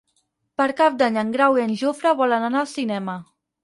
Per Cap d'Any en Grau i en Jofre volen anar al cinema.